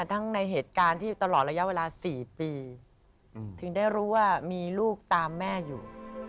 ในเหตุการณ์ที่อยู่ตลอดระยะเวลา๔ปีถึงได้รู้ว่ามีลูกตามแม่อยู่